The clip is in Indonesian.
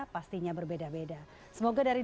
pastinya berbeda beda semoga dari